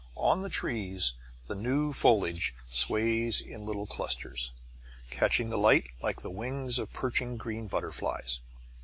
On the trees the new foliage sways in little clusters, catching the light like the wings of perching green butterflies.